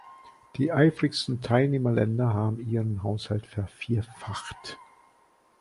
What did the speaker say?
Die eifrigsten Teilnehmerländer haben ihren Haushalt vervierfacht.